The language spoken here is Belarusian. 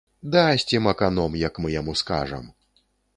Дасць ім аканом, як мы яму скажам.